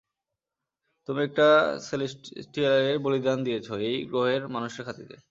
তুমি একটা সেলেস্টিয়ালের বলিদান দিয়েছ, এই গ্রহের মানুষের খাতিরে।